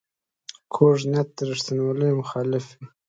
کوږ نیت د ریښتینولۍ مخالف وي